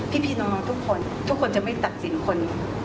พี่น้องทุกคนทุกคนจะไม่ตัดสินคน